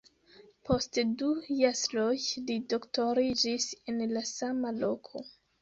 Post du jasroj li doktoriĝis en la sama loko.